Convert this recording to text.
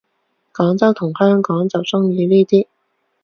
廣州同香港就鍾意呢啲